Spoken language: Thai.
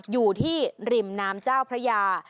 อยู่ที่ริมน้ำเจ้าพระยา